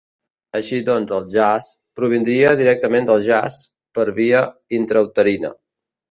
Així doncs el "jazz" provindria directament del "jaç" per via intrauterina.